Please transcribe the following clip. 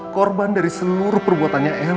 korban dari seluruh perbuatannya elsa ma